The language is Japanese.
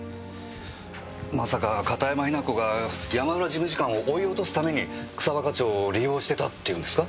まさか片山雛子が山浦事務次官を追い落とすために草葉課長を利用してたっていうんですか？